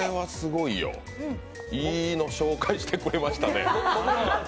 いいの紹介してくれましたね。